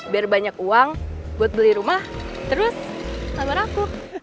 biar banyak uang buat beli rumah terus sabar aku